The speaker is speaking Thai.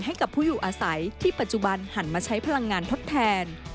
ให้กับผู้อยู่อาศัยที่ปัจจุบันหันมาใช้พลังงานทดแทน